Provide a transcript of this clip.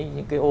những cái ô